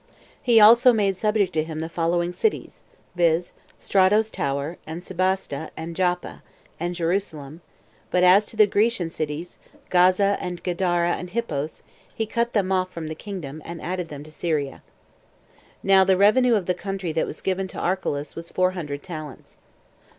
He also made subject to him the following cities, viz. Strato's Tower, and Sebaste, and Joppa, and Jerusalem; but as to the Grecian cities, Gaza, and Gadara, and Hippos, he cut them off from the kingdom, and added them to Syria. Now the revenue of the country that was given to Archelaus was four hundred talents.